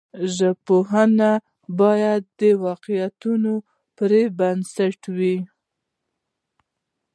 ژبپوهنه باید د واقعیتونو پر بنسټ وي.